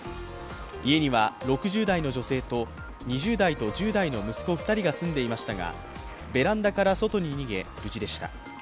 家には６０代の女性と２０代と１０代の息子２人が住んでいましたがベランダから外に逃げ無事でした。